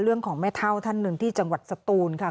เรื่องของแม่เท่าท่านหนึ่งที่จังหวัดสตูนค่ะ